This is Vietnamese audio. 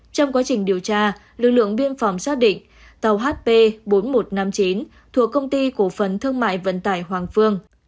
trong quá trình điều tra lực lượng biên phòng xác định tàu hp bốn nghìn một trăm năm mươi chín thuộc công ty cổ phần thương mại vận tải hoàng phương